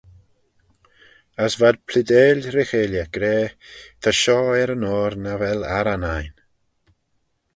As v'ad pleadeil ry-cheilley, gra, Ta shoh er-yn-oyr nagh vel arran ain.